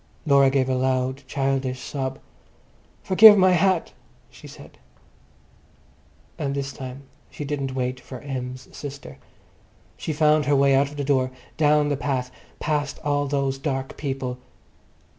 Laura gave a loud childish sob. "Forgive my hat," she said. And this time she didn't wait for Em's sister. She found her way out of the door, down the path, past all those dark people.